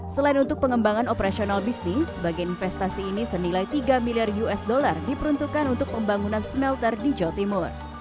selain untuk pengembangan operasional bisnis bagian investasi ini senilai tiga miliar usd diperuntukkan untuk pembangunan smelter di jawa timur